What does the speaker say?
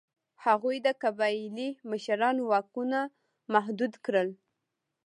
هغوی د قبایلي مشرانو واکونه محدود کړل.